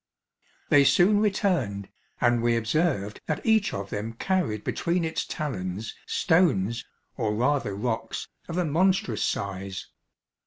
They soon returned, and we observed that each of them carried between its talons, stones, or rather rocks, of a monstrous size.